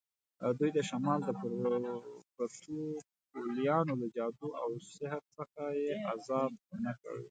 دوی د شمال د پروتوکولیانو له جادو او سحر څخه یې آزاد نه کړ.